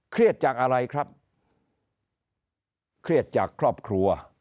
จากอะไรครับเครียดจากครอบครัว